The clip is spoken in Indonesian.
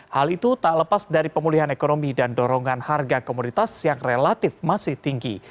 hal itu tak lepas dari pemulihan ekonomi dan dorongan harga komoditas yang relatif masih tinggi